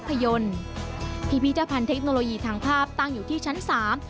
พิมพิ์พิถัฒนเทคโนโลยีทางเติร์นตั้งอยู่ที่ชั้นสาม